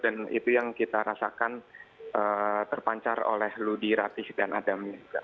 dan itu yang kita rasakan terpancar oleh ludi rati dan adam juga